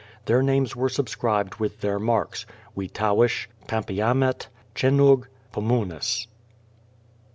Their names were subscribed with their marks: Weetowish; Pampiamett; Chinnough; Pummunis.